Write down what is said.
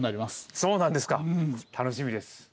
そうなんですか楽しみです。